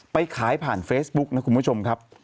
ไปขายผ่านเฟซบุ๊กนะคุณผู้ชมครับ